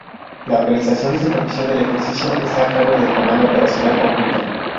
La organización y supervisión del ejercicio está a cargo del Comando Operacional Conjunto.